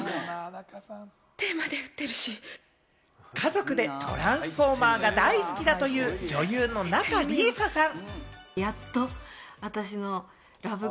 家族で『トランスフォーマー』が大好きだという女優の仲里依紗さん。